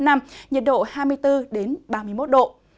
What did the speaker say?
nhiệt độ hai mươi bốn ba mươi một độ